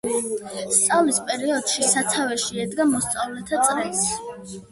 სწავლის პერიოდში სათავეში ედგა მოსწავლეთა წრეს.